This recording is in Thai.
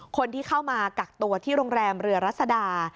คนที่เข้ามากักตัวที่โรงแรมเรือรัศดา